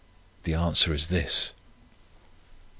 The answer is this: "I.